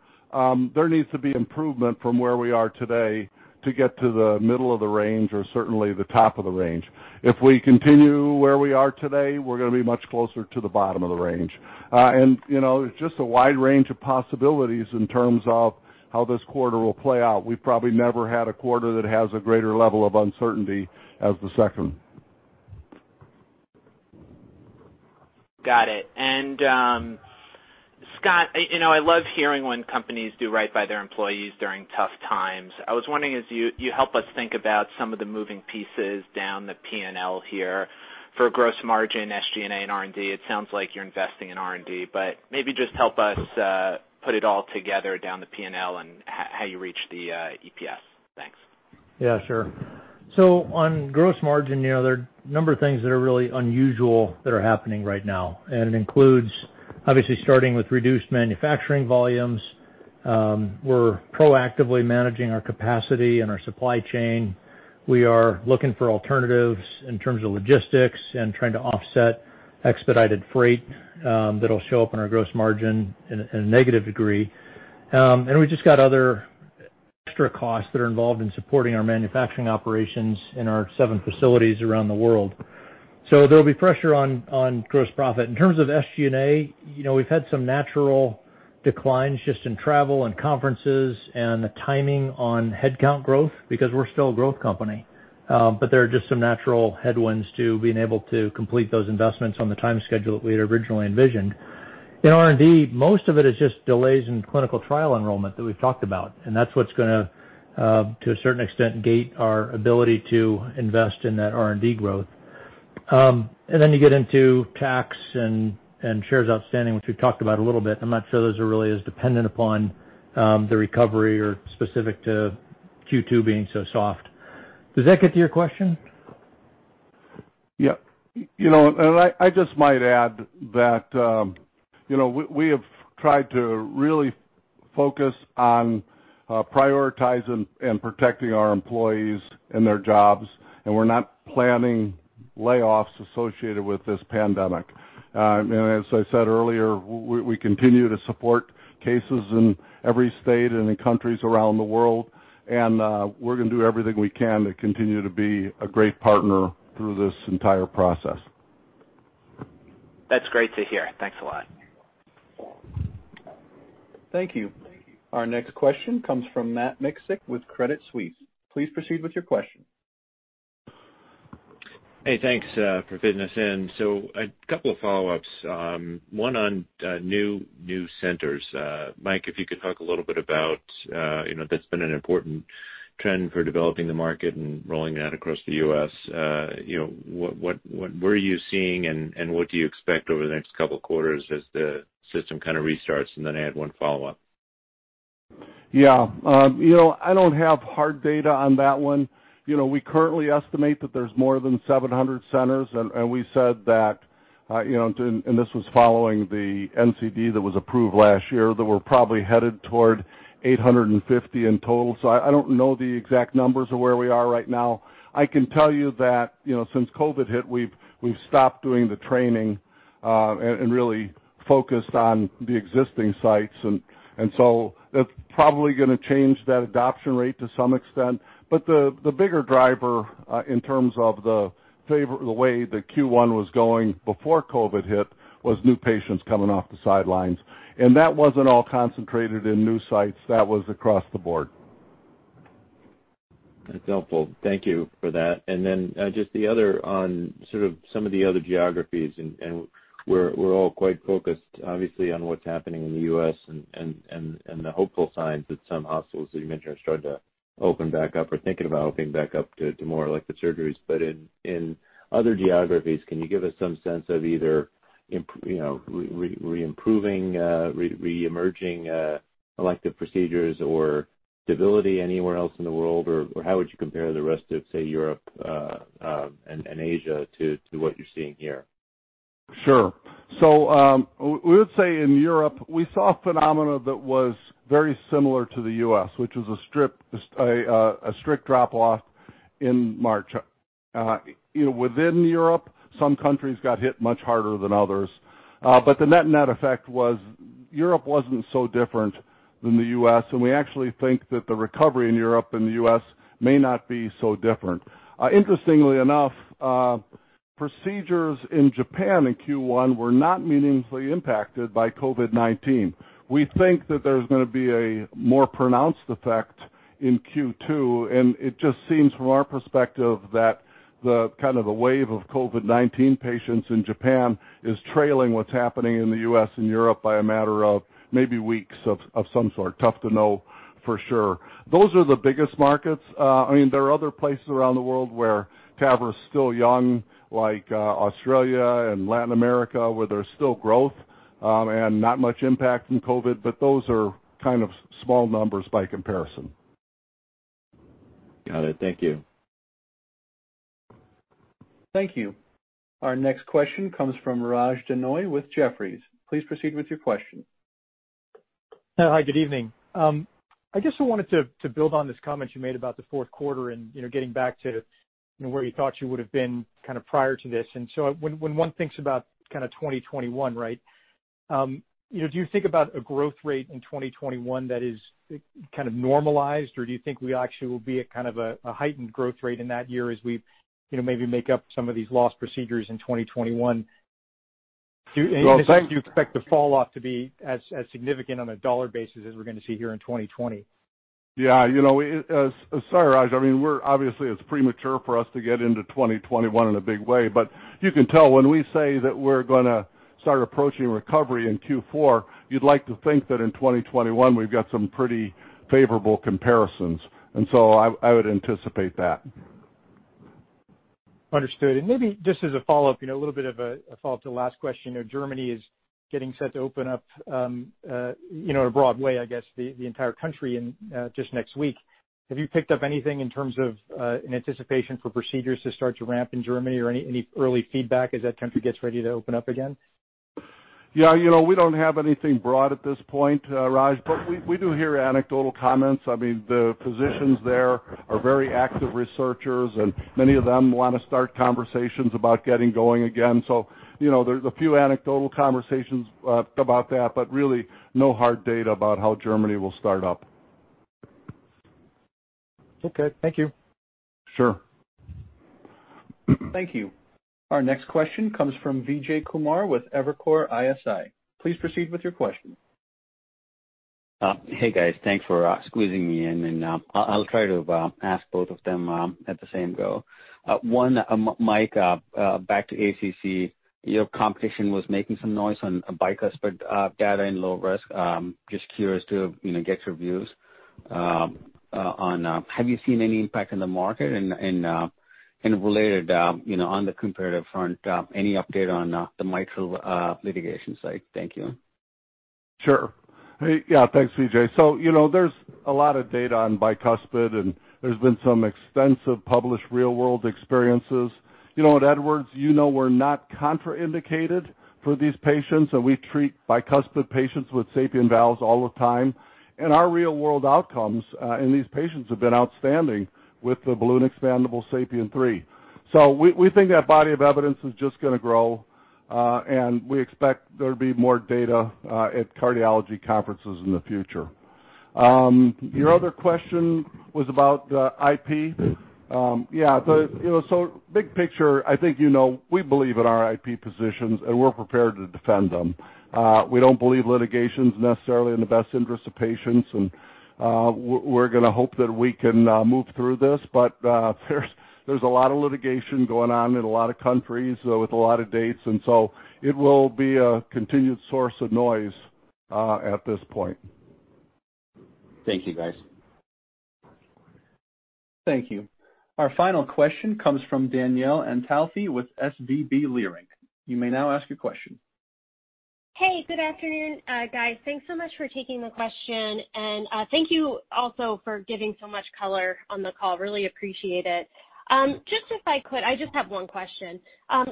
there needs to be improvement from where we are today to get to the middle of the range or certainly the top of the range. If we continue where we are today, we're going to be much closer to the bottom of the range. It's just a wide range of possibilities in terms of how this quarter will play out. We've probably never had a quarter that has a greater level of uncertainty as the second. Got it. Scott, I love hearing when companies do right by their employees during tough times. I was wondering as you help us think about some of the moving pieces down the P&L here for gross margin, SG&A, and R&D, it sounds like you're investing in R&D, but maybe just help us put it all together down the P&L and how you reach the EPS. Thanks. Yeah, sure. On gross margin, there are a number of things that are really unusual that are happening right now, and it includes obviously starting with reduced manufacturing volumes. We're proactively managing our capacity and our supply chain. We are looking for alternatives in terms of logistics and trying to offset expedited freight that'll show up in our gross margin in a negative degree. We just got other extra costs that are involved in supporting our manufacturing operations in our seven facilities around the world. There'll be pressure on gross profit. In terms of SG&A, we've had some natural declines just in travel and conferences and the timing on headcount growth because we're still a growth company. There are just some natural headwinds to being able to complete those investments on the time schedule that we had originally envisioned. In R&D, most of it is just delays in clinical trial enrollment that we've talked about, and that's what's going to a certain extent gate our ability to invest in that R&D growth. Then you get into tax and shares outstanding, which we've talked about a little bit. I'm not sure those are really as dependent upon the recovery or specific to Q2 being so soft. Does that get to your question? Yep. I just might add that we have tried to really focus on prioritizing and protecting our employees and their jobs, and we're not planning layoffs associated with this pandemic. As I said earlier, we continue to support cases in every state and in countries around the world. We're going to do everything we can to continue to be a great partner through this entire process. That's great to hear. Thanks a lot. Thank you. Our next question comes from Matt Miksic with Credit Suisse. Please proceed with your question. Hey, thanks for fitting us in. A couple of follow-ups. One on new centers. Mike, if you could talk a little bit about, that's been an important trend for developing the market and rolling that across the U.S. What were you seeing, and what do you expect over the next couple of quarters as the system kind of restarts? I had one follow-up. I don't have hard data on that one. We currently estimate that there's more than 700 centers, and we said that, and this was following the NCD that was approved last year, that we're probably headed toward 850 in total. I don't know the exact numbers of where we are right now. I can tell you that since COVID hit, we've stopped doing the training and really focused on the existing sites. That's probably going to change that adoption rate to some extent. The bigger driver in terms of the way that Q1 was going before COVID hit was new patients coming off the sidelines. That wasn't all concentrated in new sites. That was across the board. That's helpful. Thank you for that. Just the other on sort of some of the other geographies, we're all quite focused, obviously, on what's happening in the U.S. and the hopeful signs that some hospitals that you mentioned are starting to open back up or thinking about opening back up to more elective surgeries. In other geographies, can you give us some sense of either re-improving, re-emerging elective procedures or stability anywhere else in the world? How would you compare the rest of, say, Europe and Asia to what you're seeing here? Sure. We would say in Europe we saw a phenomena that was very similar to the U.S., which was a strict drop-off in March. Within Europe, some countries got hit much harder than others. The net effect was Europe wasn't so different than the U.S., and we actually think that the recovery in Europe and the U.S. may not be so different. Interestingly enough, procedures in Japan in Q1 were not meaningfully impacted by COVID-19. We think that there's going to be a more pronounced effect in Q2, and it just seems from our perspective that the kind of the wave of COVID-19 patients in Japan is trailing what's happening in the U.S. and Europe by a matter of maybe weeks of some sort. Tough to know for sure. Those are the biggest markets. There are other places around the world where TAVR is still young, like Australia and Latin America, where there's still growth and not much impact from COVID, but those are kind of small numbers by comparison. Got it. Thank you. Thank you. Our next question comes from Raj Denhoy with Jefferies. Please proceed with your question. Hi, good evening. I just wanted to build on this comment you made about the fourth quarter and getting back to where you thought you would have been kind of prior to this. When one thinks about kind of 2021, right? Do you think about a growth rate in 2021 that is kind of normalized, or do you think we actually will be at kind of a heightened growth rate in that year as we maybe make up some of these lost procedures in 2021? Well, thank- Do you expect the fall off to be as significant on a dollar basis as we're going to see here in 2020? Yeah. Sorry, Raj, obviously it's premature for us to get into 2021 in a big way, but you can tell when we say that we're going to start approaching recovery in Q4, you'd like to think that in 2021 we've got some pretty favorable comparisons, and so I would anticipate that. Understood. Maybe just as a follow-up, a little bit of a follow-up to the last question. Germany is getting set to open up in a broad way, I guess, the entire country just next week. Have you picked up anything in terms of an anticipation for procedures to start to ramp in Germany or any early feedback as that country gets ready to open up again? Yeah, we don't have anything broad at this point, Raj, but we do hear anecdotal comments. The physicians there are very active researchers, and many of them want to start conversations about getting going again. There's a few anecdotal conversations about that, but really no hard data about how Germany will start up. Okay. Thank you. Sure. Thank you. Our next question comes from Vijay Kumar with Evercore ISI. Please proceed with your question. Hey, guys. Thanks for squeezing me in, and I'll try to ask both of them at the same go. One, Mike, back to ACC. Your competition was making some noise on bicuspid data in low risk. Just curious to get your views on have you seen any impact in the market? Related, on the comparative front, any update on the mitral litigation side? Thank you. Sure. Yeah. Thanks, Vijay. There's a lot of data on bicuspid, and there's been some extensive published real-world experiences. At Edwards, you know we're not contraindicated for these patients, and we treat bicuspid patients with SAPIEN valves all the time. Our real-world outcomes in these patients have been outstanding with the balloon-expandable SAPIEN 3. We think that body of evidence is just going to grow, and we expect there to be more data at cardiology conferences in the future. Your other question was about IP. Yeah. Big picture, I think you know we believe in our IP positions, and we're prepared to defend them. We don't believe litigation's necessarily in the best interest of patients, and we're going to hope that we can move through this. There's a lot of litigation going on in a lot of countries with a lot of dates, and so it will be a continued source of noise at this point. Thank you, guys. Thank you. Our final question comes from Danielle Antalffy with SVB Leerink. You may now ask your question. Hey, good afternoon, guys. Thanks so much for taking the question, and thank you also for giving so much color on the call. Really appreciate it. Just if I could, I just have one question.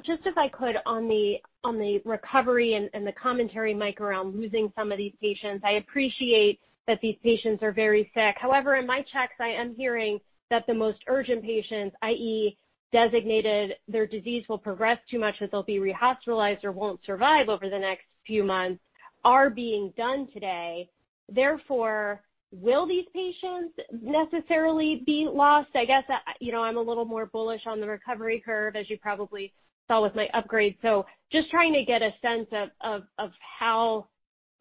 Just if I could on the recovery and the commentary, Mike, around losing some of these patients. I appreciate that these patients are very sick. However, in my checks, I am hearing that the most urgent patients, i.e., designated their disease will progress too much that they'll be rehospitalized or won't survive over the next few months, are being done today. Therefore, will these patients necessarily be lost? I guess I'm a little more bullish on the recovery curve, as you probably saw with my upgrade. Just trying to get a sense of how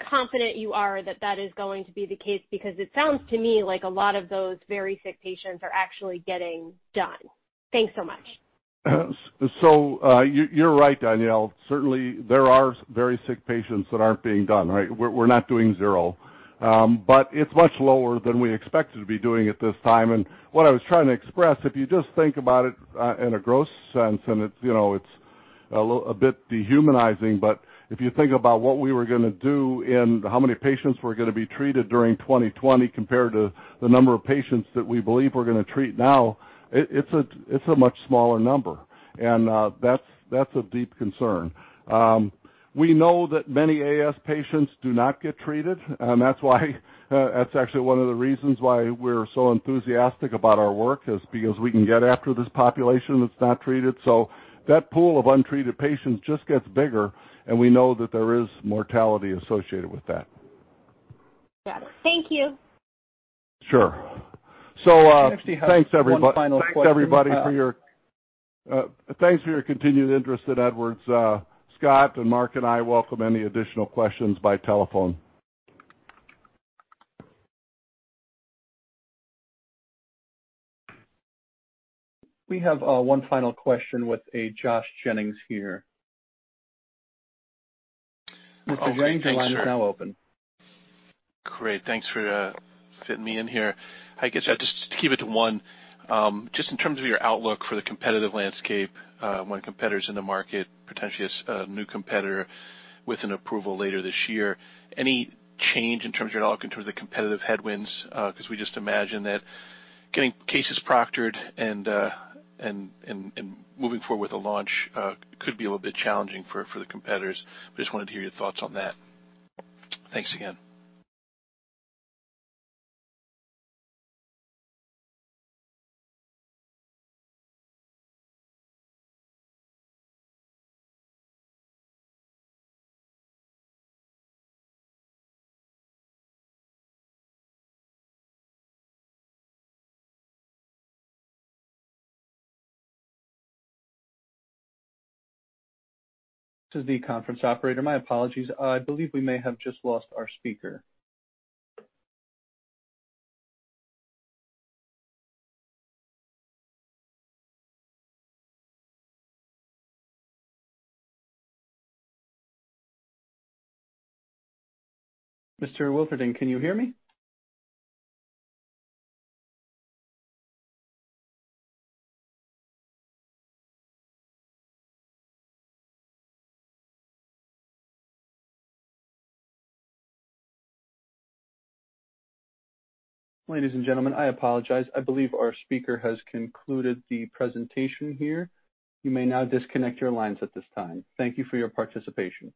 confident you are that that is going to be the case, because it sounds to me like a lot of those very sick patients are actually getting done. Thanks so much. You're right, Danielle. Certainly, there are very sick patients that aren't being done. We're not doing zero. It's much lower than we expected to be doing at this time. What I was trying to express, if you just think about it in a gross sense, and it's a bit dehumanizing, but if you think about what we were going to do and how many patients were going to be treated during 2020 compared to the number of patients that we believe we're going to treat now, it's a much smaller number. That's a deep concern. We know that many AS patients do not get treated, and that's actually one of the reasons why we're so enthusiastic about our work is because we can get after this population that's not treated. That pool of untreated patients just gets bigger, and we know that there is mortality associated with that. Got it. Thank you. Sure. Thanks, everybody. We actually have one final question. Thanks for your continued interest in Edwards. Scott and Mark and I welcome any additional questions by telephone. We have one final question with a Josh Jennings here. Okay. Thanks. Sure. Mr. Jennings, your line is now open. Great. Thanks for fitting me in here. I guess I'll just keep it to one. Just in terms of your outlook for the competitive landscape, one of the competitors in the market, potentially as a new competitor with an approval later this year, any change in terms at all in terms of competitive headwinds? We just imagine that getting cases proctored and moving forward with a launch could be a little bit challenging for the competitors. Just wanted to hear your thoughts on that. Thanks again. This is the conference operator. My apologies. I believe we may have just lost our speaker. Mr. Wilterding, can you hear me? Ladies and gentlemen, I apologize. I believe our speaker has concluded the presentation here. You may now disconnect your lines at this time. Thank you for your participation.